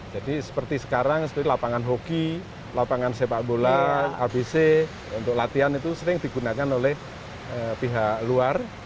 jadi seperti sekarang seperti lapangan hoki lapangan sepak bola abc untuk latihan itu sering digunakan oleh pihak ppk gbk